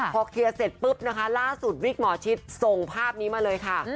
พอเคลียร์เสร็จปุ๊บนะคะล่าสุดวิกหมอชิดส่งภาพนี้มาเลยค่ะ